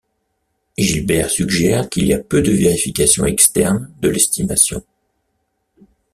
Gilbert suggère qu'il y a peu de vérification externe de l'estimation.